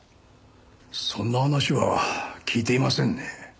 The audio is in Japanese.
そんな話は聞いていませんね。